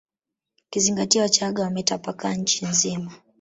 Ukizingatia wachaga wametapakaa nchi nzima